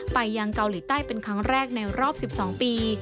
ไปยังเกาหลีใต้เป็นครั้งแรกในรอบ๑๒ปี